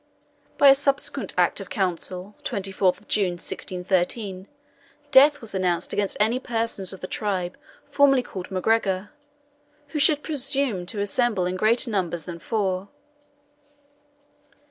By a subsequent act of Council, 24th June 1613, death was denounced against any persons of the tribe formerly called MacGregor, who should presume to assemble in greater numbers than four.